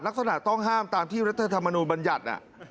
ลักษณะต้องห้ามตามที่รัฐธรรมนูญบัญญัติ